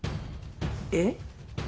えっ？